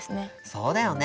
そうだよね。